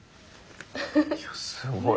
いやすごい。